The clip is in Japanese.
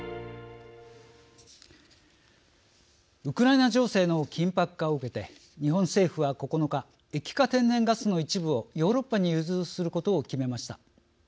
ウクライナ情勢の緊迫化を受けて、日本政府は９日日本向けの液化天然ガスの一部をヨーロッパに融通することを決めました。